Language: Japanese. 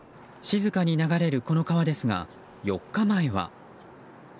静かに流れるこの川ですが４日前は。